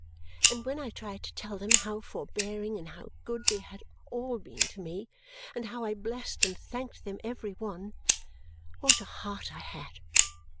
and when I tried to tell them how forbearing and how good they had all been to me and how I blessed and thanked them every one, what a heart I had!